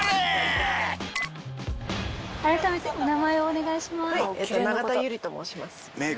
改めてお名前をお願いします。